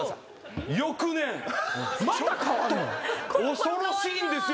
恐ろしいんですよ。